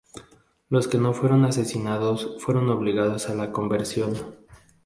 Los que no fueron asesinados fueron obligados a la conversión.